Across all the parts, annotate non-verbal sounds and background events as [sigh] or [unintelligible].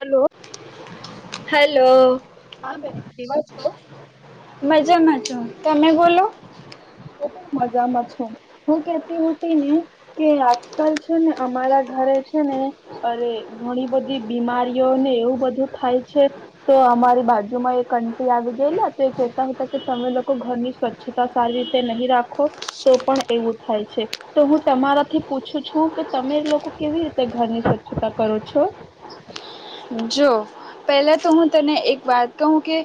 Hello. Hello. હા બેન, કેવા છો? મજામાંછો, તમે બોલો? હુ પણ મજામાં છું, હું કેતીતી ને કે આજકાલ છે ને અમારા ઘરે છે ને અરે ઘણી બધી બીમારીઓને એવું બધું થાય છે, તો અમારી બાજુમાં એક આંટી આવી ગયેલા તો એ કેહેતા હતા કે તમે લોકો ઘરની સ્વચ્છતા સારી તે નહી રાખો તો પણ એવું થાય છે. તો હું તમારાથી પૂછું છું કે તમે લોકો કેવી રીતે ઘરની સ્વચ્છતા કરો છો? જો પહેલાં તો હું તને એક વાત કહું કે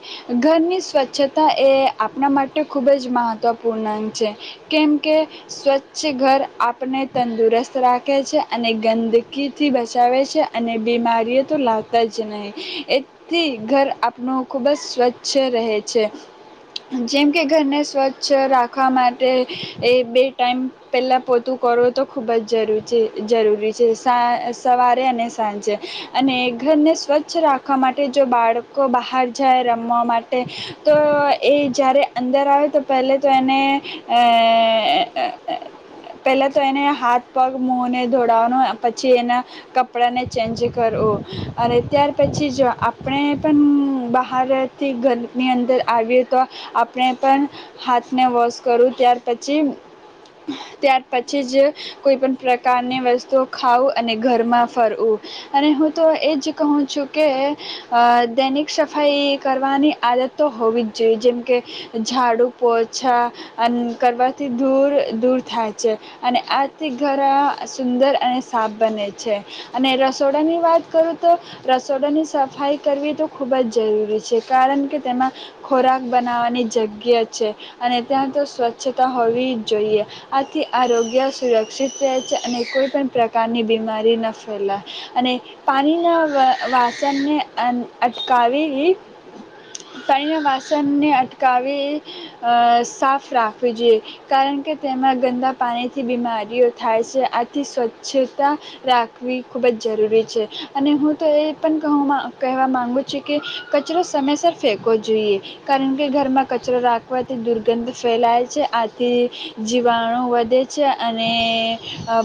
ઘરની સ્વચ્છતા એ આપણા માટે ખૂબ જ મહત્ત્વપૂર્ણ છે. કેમ કે સ્વચ્છ ઘર આપને તંદુરસ્ત રાખે છે. અને ગંદકીથી બચાવે છે, અને બીમારીઓ તો લાગ જ નહીં એથી ઘર આપણ ખૂબ જ સ્વચ્છ રહે છે. જેમ કે ઘરને સ્વચ્છ રાખવા માટે એ બે ટાઈમ પહેલાં પોતું કરો તો ખૂબ જ જરૂર છે જરૂરી છે સા સવારે, અને સાંજે અને ઘરને સ્વચ્છ રાખવા માટે જો બાળકો બહાર જાય રમવા માટે તો એ જ્યારે અંદર આવે તો પહેલા તો એને અ પહેલાં તો એને હાથ પગ મોહને ધોડાવવાનો પછી એના કપડાંને ચેન્જ કરવું. અને ત્યાર પછી આપણે પણ બહારથી ઘરની અંદર આવીએ તો આપણે પણ હાથને વોશ કરું ત્યાર પછી ત્યાર પછી જ કોઈ પણ પ્રકારની વસ્તુ ખાવું અને ઘરમાં ફરવું. અને હુ તો એ જ કહું છું કે અ દૈનિક સફાઈ કરવાની આદત તો હોવી જ જોઈએ, જેમ કે ઝાડું ઓછા અને કરવાથી દૂર દૂર થાય છે અને આજથી ઘર સુંદર અને સાફ બને છે. અને રસોડાની વાત કર તો રસોડાની સફાઈ કરવી તો ખૂબ જ જરૂરી છે. કારણ કે તેમાં ખોરાક બનાવવાની જગ્યા છે, અને ત્યાં તો સ્વચ્છતા હોવી જ જોઈએ આથી આરોગ્ય સુરક્ષિત રહે છે. અને કોઈ પણ પ્રકારની બીમારી ન ફેલાય. અને પાણીના વ વાસણને અ અટકાવી પાણીના વાસણને અટકાવી અ સાફ રાખવવી જોઈએ. કારણ કે તેમાં ગંદા પાણીથી બીમારીઓ થાય છે આથી સ્વચ્છતા રાખવી ખૂબ જ જરૂરી છે. અને હું તો એ પણ કહું કહેવા માગુ છું કે કચરો સમયસર ફેંકોવો જોઈએ. કારણ કે ઘરમાં કચરો રાખવાથી દુર્ગંધ ફેલાય છે આથી જીવાણુ વધે છે અને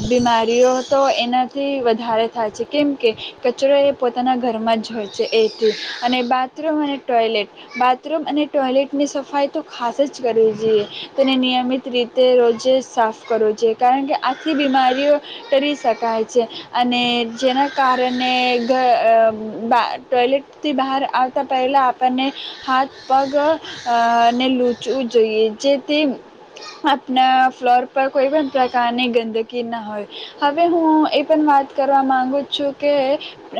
બીમારીઓ તો એનાથી વધારે થાય છે. કેમ કે કચરો એ પોતાના ઘરમાં જ હોય છે. એથી અને બાથરૂમ અને ટોયલેટ બાથરૂમ અને ટોયલેટની સફાઈ તો ખાસ જ કરવી જોઈએ. તેને નિયમિત રીતે રોજે સાફ કરવો જોઈએ કારણ કે આથી બીમારીઓ તરી શકાય છે. અને જેના કારણે ઘ અ ટોયલેટથી બહાર આવતા પહેલાં આપણને હાથ પગ અ ને લૂચવું જોઈએ જેથી આપના ફ્લોર પર કોઈ પણ પ્રકારની ગંદકી ના હોય. હવે હું એ પણ વાત કરવા માગુ છુ કે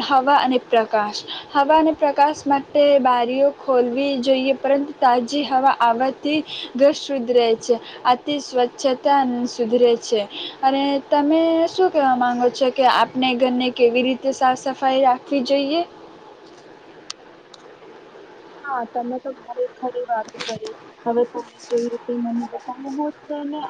હવા અને, પ્રકાશ હવા અને પ્રકાશ માટે બારીઓ ખોલવી જોઈએ પરંતુ તાજી હવા આવવાથી ઘર શુદ્ધરે છે અતિ સ્વચ્છતા અને સુધરે છે. અને તમે શું કહેવા માગો છો કે આપણે ઘરની કેવી રીતે સાફ સફાઈ રાખવી જોઈએ? હા તમે તો ભારી ખરી વાત કરી, હવે તો. જે રીતે મ બ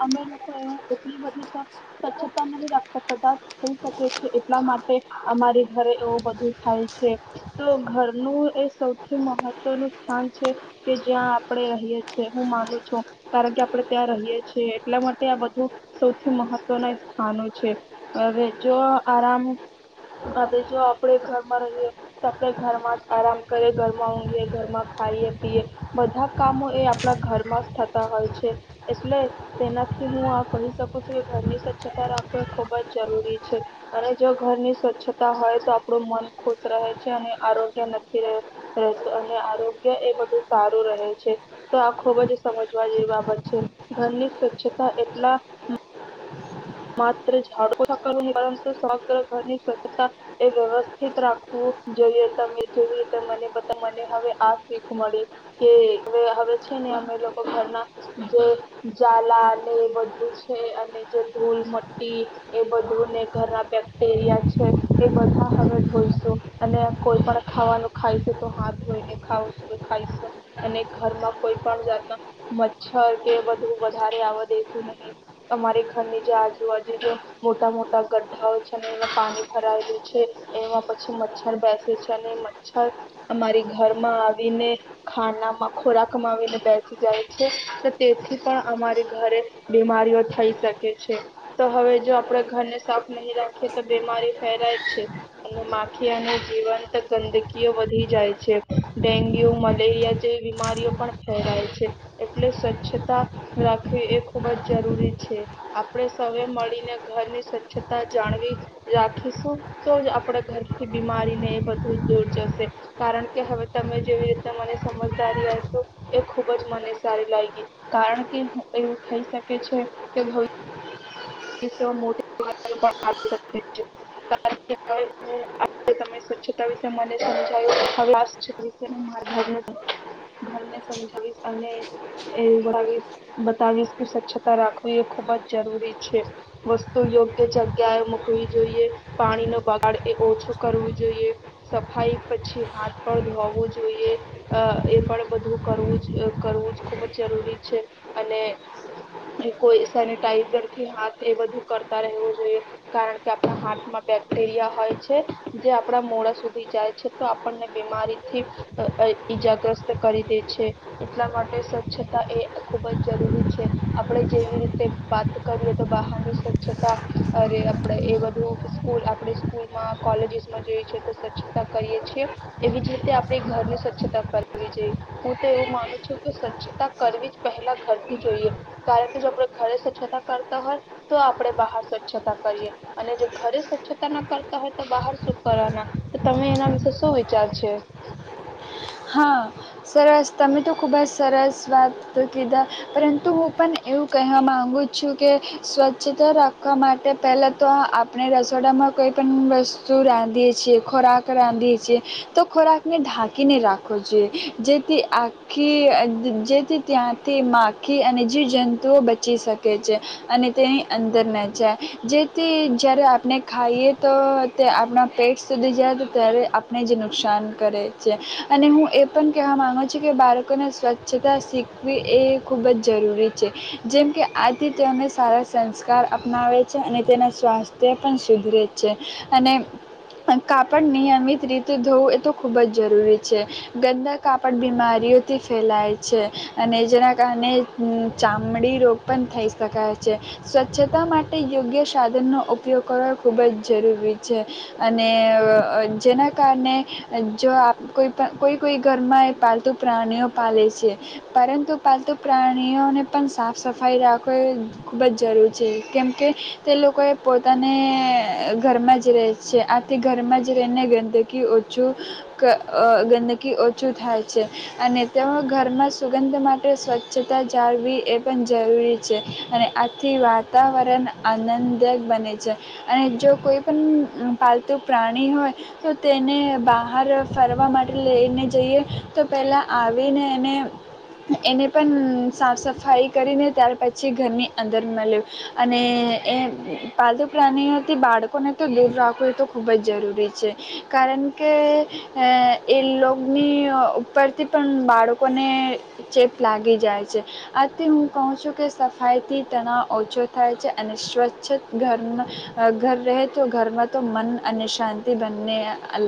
અમે લોકો એ એટ બધીચ્છતા પારથ થઈ શકે છે એટલા માટે અમારી ઘરે એવું બધું થાય છે તો ઘરનું એ સૌથી મહ સ્થ છે કે જ્યાં આપણે રહીએ છ છે હું માનું છું કારણ કે આપડણે ત્યાં રહીએ છીએ એટલા માટે આ બધું સૌથી મહત્વના સ્થાનો છે હવે જો આરામ હવે જો આપણે ઘરમાં રહીએ તો આપણે ઘરમાં જ આરામ કરીએ ઘરમાં. ઘરમાં ખાઈએ પીએ બધા કામો એ આપણા ઘરમાં જ થતા હોય છે એટલે તેનાથી હું આ કહી શકું છું કે ઘરની સ્વચ્છતા રાખવી એ ખુબ જ જરૂરી છે અને જો ઘરની સ્વચ્છતા હોય તો આપણું મન ખુશ રહે છે અને આરોગ્ય નથી રહે. અને આરોગ્ય એ બધું સારું રહે છે તો આ ખુબ જ સમજવા જેવી બાબત છે ઘરની સ્વચ્છતા એટલા પરંતુ સમગ્ર ઘરની સ્વચ્છતા એ વ્યવસ્થિત રાખવું જોઈએ તમે જો મ મને હવે આ શીખ મળી કે હવે છે ને અમે લોકો ઘરના જે જાલા અને એ બધું છે અને એ બધુંને ઘરના બેક્ટેરિયા છે એ બધા હવે ધોઈશું અને કોઈ પણ ખાવાનું ખાય છે તો હાથ ધોઈને ખાવશ ખાઈશું અને ઘરમાં કોઈ પણ જાત મચ્છર કે બધું વધારે આવ દેસું નહીં અમારી ઘરની જે આજુબાજુ જે મોટા મોટા ગ્ઢાઓ છે એમાં પાણી ભરાયેલું છે એમાં પછી મચ્છર બેસે છે અને મચ્છર અમારી ઘરમાં આવીને ખાનામાં ખોરાક માવીને બેસી જાય છે તેથી પણ અમારી ઘરે બીમારીઓ થઈ શકે. તો હવે જો આપણે ઘરને સાફ નહીં રાખીએ તો બીમારી ફેલાય છે અને માખિયાનું જીવનંત ગંદકીઓ વધી જાય છે ડેન્ગ્યુ મલેરિયા જેવી બીમારીઓ પણ ફેલાય છે એટલે સ્વચ્છતા રાખવી એ ખૂબ જ જરૂરી છે. આપણે સ મળીને ઘરની સ્વચ્છતા જાણવી રાખીશું તો જ આપણા ઘરથી બીમારીને એ બધું દૂર જશે કારણ કે હવે તમે જેવી રીતે મને સમજદારી આપ્યું એ ખુબ જ મને સારી લાગી કારણ કે એવું થઈ શકે છે કે [unintelligible] છે સ્વચ્છતા મી સમાવીશ અને બતાવીશ કે સ્વચ્તા રાખવી એ ખુબ જ જરૂરી છે. વસ્તુ યોગ્ય જગ્યાએ મૂકવી જોઈએ, પાણી નો બગાડ એ ઓછો કરવો જોઈએ, સફાઈ પછી હાથ પણ ધોવું જોઈએ, એ પણ બધું કરવું કરવું જ ખુબ જ જરૂરી છે અને કોઈ સેનટાઈઝર હાથ એ બધું કરતા રહેવું જોઈએ, કારણ કે આપણા હાથમાં બેક્ટેરિયા હોય છે જે આપણા મોડા સુધી જાય છે, તો આપણને બીમારીથી ઈજાગ્રસ્ત કરી દે છે, એટલા માટે સ્વચ્છતા એ ખુબ જ જરૂરી છે. આપણે જેવી રીતે વાત કરીએ તો બહાર ની સ્વચ્છતા. અરે આપ એ બધું સ્કૂલ આપણે સ્કૂલમાં, કોલેજીસમાં જોઈ તો સ્વચ્છતા કરીએ છી એવી જ રીતે આપણે ઘરની સ્વચ્છતા કરવી જોઈએ. હું તો એવું માનું છું કે સ્વચ્છતા કરવી જ પહેલા ઘરથી જોઈએ કારણ કે જો આપણે ઘરે સ્વચ્છતા કરતા હોય તો આપણે બહાર સ્વચ્છતા કરીએ અને જો ઘરે સ્વચ્છતા ના કરતા હોય તો બહાર શું કરવાના તમે એના વિશે શું વિચાર છે. હા સરસ તમે તો ખૂબ જ સરસ વાત કીધા, પરંતુ હું પણ એવું કહેવા માગું છું કે સ્વચ્છતા રાખવા માટે પહેલાં તો આપણે રસોડામાં કોઈ પણણ વસ્તુ રાંધીએ છીએ ખોરાક રાંધીએ છીએ તો ખોરાકને ઢાંકીને રાખ રાખવો જો જેથી આખી જેથી ત્યાંથી માખી અને જીવજંતુઓ બચી શકે છે, અને તેની અંદર ના જાય જેથી જ્યારે આપણે ખાઈએ તો તે આપણા પેટ સુધી જાય તો ત્યારે આપણે જ નુકસાન કરે છે. અને હું એ પણ કહેવા માગું છું, કે બાળકોને સ્વચ્છતા શીખવી એ ખૂબ જ જરૂરી છે, જેમ કે આથી તેને સારા સંસ્કાર અપનાવે છે, અને તેનાં સ્વાસ્થ્ય પણ સુધરે છે અને કાપડ નિયમિત રીતે ધોવું એ તો ખૂબ જ જરૂરી છે. છે ગંદા કાપડ બીમારીઓથી ફેલાય છે અને જેના કારણે ચામડી રોગ પણ થઈ શકાય છે સ્વચ્છતા માટે યોગ્ય સાધનનો ઉપયોગ કરવાવો ખૂબ જ જરૂરી છે અને જેના કારણે જો આપ કોઈ કોઈ કોઈ ઘરમાં એ પાલતુ પ્રાણીઓ પાલેે છે પરંતુ પાલતુ પ્રાણીઓને પણ સાફ સફાઈ રાખવી ખૂબ જ જરૂર છે, કેમકે તે લોકોએ પોતાને ઘરમાં જ રહે છે આથી ઘરમાં જ રહીને ગંદકી ઓછું ગંદકી ઓછું થાય છે અને તેમાં ઘરમાં સુગંધ માટે સ્વચ્છતા જાળવી એ પણ જરૂરી છે અને આથી વાતાવરણ આનંદદાયક બને છે અને જો કોઈ પણ પાલતુ પ્રાણી હોય તો તેને બહાર ફરવા માટે લઈને જઈએ તો પહેલાં આવીને એને એને પણ સાફ સફાઈ કરીને ત્યાર પછી ઘરની અંદર મળે અને એ પાલતુ પ્રાણીઓથી બાળકોને તો દૂર રાખવું એ તો ખૂબ જ જરૂરી છે કારણ કે એ લોગની ઉપરથી પણ બાળકોને ચેપ લાગી જાય છે. આથી હું કહું છું કે સફાઈથી તણાવ ઓછો થાય છે અને સ્વચ્છ ઘરમાં ઘર રહે તો ઘરમાં તો મન અને શાંતિ બંને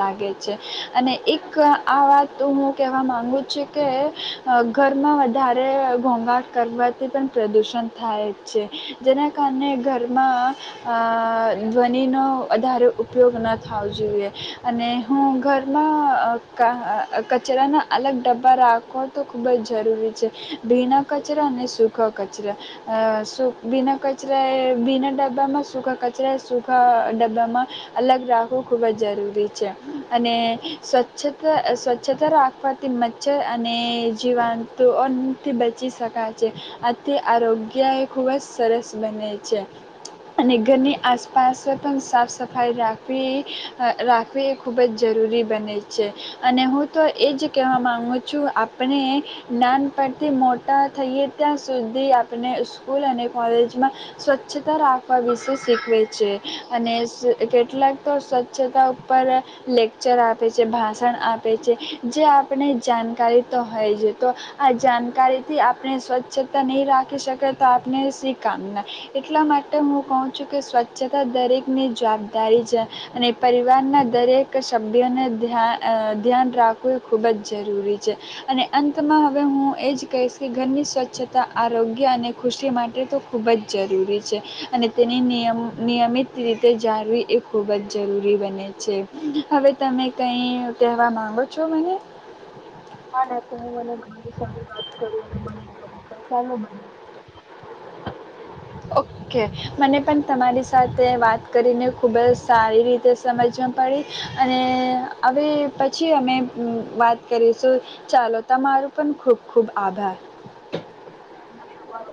લાગે છે. અને એક આ વાત હું કહેવા માગુ છું કે ઘરમાં વધારે ઘોંઘાટ કરવાથી પણ પ્રદૂષણ થાય જ છે જેના કારણે ઘરમાં ધ્વનિનો વધારે ઉપયોગ ન થવો જોઈએ. અને હું ઘરમાં કચરાના અલગ ડબ્બા રાખો તો ખૂબ જ જરૂરી છે. ભીના કચરા અને સૂખા કચરા ભીના કચરાએ ભીના ડબ્બામાં સૂખા કચરા એ સૂખા ડબ્બામાં અલગ રાખવું ખૂબ જ જરૂરી છે. અને સ્વચ્છતા, સ્વચ્છતા રાખવાથી મચ્છર અને જીવાંતુઓથી બચી શકાય છે આથી આરોગ્ય એ ખૂબ જ સરસ બને છે અને ઘરની આસપાસ પણ સાફ સફાઈ રાખવી રાખવી એ ખૂબ ખૂબ જ જરૂરી બને છે અને હું તો એ જ કહેવા માગું છું. આપણે નાનપણથી મોટા થઈએ ત્યાં સુધી આપણે સ્કૂલ અને કોલેજમાં સ્વચ્છતા રાખવા વિશે શીખવે છે અને કેટલાક તો સ્વચ્છતા ઉપર લેક્ચર આપે છે ભાષણ આપે છે, જે આપણે જાણકારી તો હોય છે તો આ જાણકારીથી આપણે સ્વચ્છતા નહીં રાખી શકીએ તો આપણે શવી કામના, એટલા માટે હું કહું છું કે સ્વચ્છતા દરેકની જવાબદારી છે અને પરિવારના દરેક કે શબ્દને ધ્યા ધ્યાન રાખવું એ ખૂબ જ જરૂરી છે અને અંતમાં હવે હું એ જ કહીશ કે ઘરની સ્વચ્છતા આરોગ્ય અને ખુશી માટે તો ખૂબ જ જરૂરી છે અને તેની નિયમ નિયમિત રીતે જાળવી એ ખૂબ જ જરૂરી બને છે. હવે તમે કઈ કહેવા માંગો છો મને? અને તમે મને ઘણી સારી વાત કરી મને ગમ્યું ચાલું મળીએ. ઓકે. મને પણ તમારી સાથે વાત કરીને ખૂબ જ સારી રીતે સમજવા પડી અને આવી પછી અમે વાત કરીશું ચાલો તમારું પણ ખૂબ ખૂબ આભાર. તમારો